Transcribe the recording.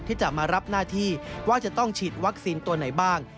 ที่จะมารับหน้าที่ว่าจะต้องฉีดวัคซีนตัวไหนบ้าง